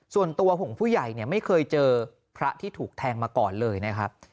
ส่วนตัวของผู้ใหญ่เนี่ยไม่เคยเจอพระที่ถูกแทงมาก่อนเลยนะครับ